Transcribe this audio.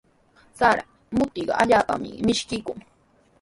Sara mutiqa allaapami mishkiykun.